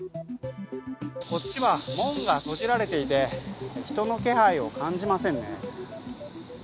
こっちは門が閉じられていて、人の気配を感じませんね。